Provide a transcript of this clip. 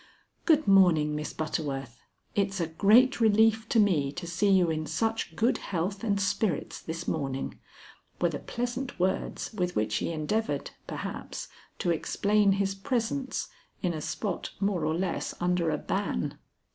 "Good morning, Miss Butterworth. It's a great relief to me to see you in such good health and spirits this morning," were the pleasant words with which he endeavored, perhaps, to explain his presence in a spot more or less under a ban.